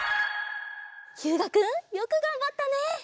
ひゅうがくんよくがんばったね。